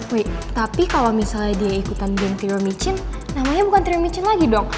wait tapi kalo dia ikutan geng trio micin namanya bukan trio micin lagi dong